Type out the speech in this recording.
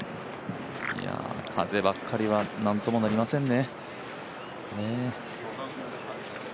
風ばっかりは、なんともなりませんね。